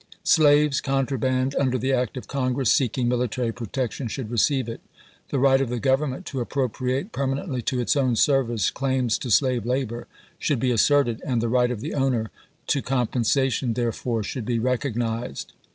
Slaves, contraband under the act of Congress, seeking military protection, should receive it. The right of the Government to appropriate permanently to its own service claims to slave labor should be asserted, and the right of the owner to compensation therefor should be recognized.